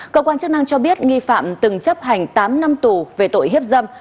cơ quan chức năng cho biết nghi phạm từng chấp hành tám năm tù về tội hiếp dâm